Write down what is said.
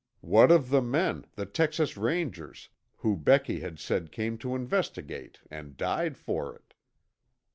What of the men, the Texas Rangers, who Becky had said came to investigate and died for it?